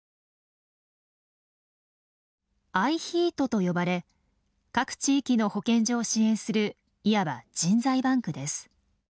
ＩＨＥＡＴと呼ばれ各地域の保健所を支援するいわば人材バンクです。